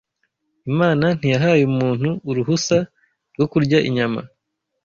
Imana ntiyahaye umuntu uruhusa rwo kurya inyama